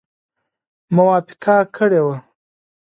موافقه کړې وه.